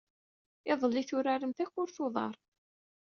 Iḍelli, turarem takurt n uḍar.